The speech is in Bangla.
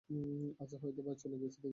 আছে হয়তো, ভাই, - চল, গিয়ে দেখি।